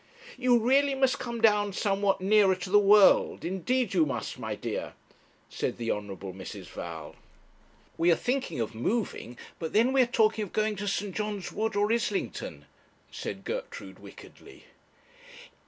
'You really must come down somewhat nearer to the world; indeed you must, my dear,' said the Hon. Mrs. Val. 'We are thinking of moving; but then we are talking of going to St. John's Wood, or Islington,' said Gertrude, wickedly.